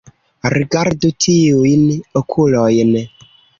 Rigardu tiujn okulojn